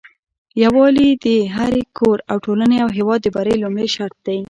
يوالي د هري کور او ټولني او هيواد د بری لمړي شرط دي